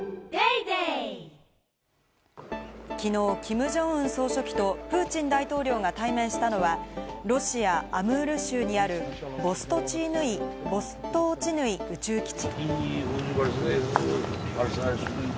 きのうキム・ジョンウン総書記とプーチン大統領が対面したのは、ロシア・アムール州にあるボストーチヌイ宇宙基地。